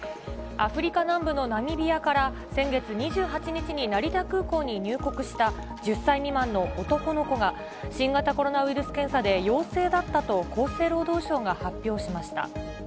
アフリカ南部のナミビアから、先月２８日に成田空港に入国した１０歳未満の男の子が、新型コロナウイルス検査で陽性だったと厚生労働省が発表しました。